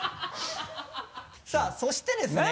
さぁそしてですね。